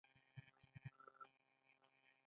محمد ایوب خان د فاتح په حیث کندهار ښار ته ننوت.